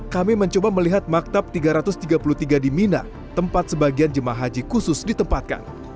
kami mencoba melihat maktab tiga ratus tiga puluh tiga di mina tempat sebagian jemaah haji khusus ditempatkan